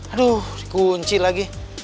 aduh dikunci lagi